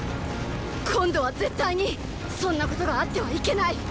今度は絶対にそんなことがあってはいけない！